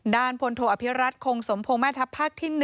พลโทอภิรัตคงสมพงศ์แม่ทัพภาคที่๑